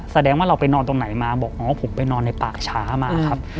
แสดงว่าเราไปนอนตรงไหนมาบอกอ๋อผมไปนอนในป่าช้ามาครับ